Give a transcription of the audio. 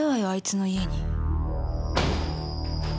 あいつの家に。